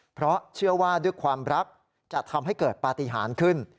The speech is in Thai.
เพราะเชื่อว่าด้วยความรักจะทำให้เกิดปฏิหารขึ้น